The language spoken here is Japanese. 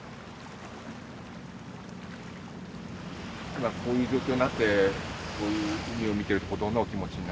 今こういう状況になってこういう海を見ているとどんなお気持ちに？